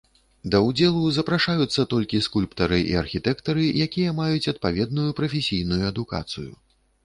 Да ўдзелу запрашаюцца толькі скульптары і архітэктары, якія маюць адпаведную прафесійную адукацыю.